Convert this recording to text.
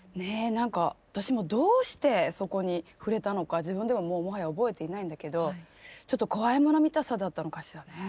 何か私もどうしてそこに触れたのか自分でももはや覚えていないんだけどちょっと怖いもの見たさだったのかしらね。